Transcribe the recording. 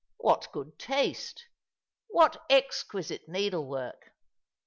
" "What good taste I "" What exquisite needlework